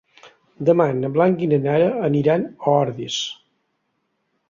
Demà na Blanca i na Nara aniran a Ordis.